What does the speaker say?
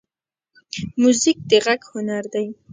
موزیک د غږ هنر دی.